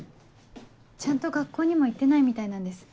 ちゃんと学校にも行ってないみたいなんです。